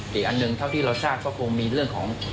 แต่อีกอันหนึ่งเท่าที่เราทราบก็คงมีเรื่องของ